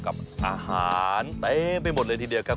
กับอาหารเต็มไปหมดเลยทีเดียวครับ